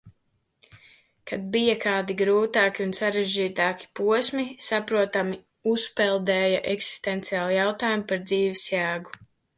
Kad bija kādi grūtāki un sarežģītāki posmi, saprotami "uzpeldēja" eksistenciāli jautājumi par dzīves jēgu.